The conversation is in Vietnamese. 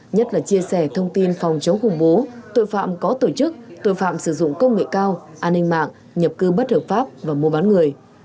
nhất là chia sẻ thông tin phòng chống khủng bố tội phạm có tổ chức tội phạm sử dụng công nghệ cao an ninh mạng nhập cư bất hợp pháp và mua bán người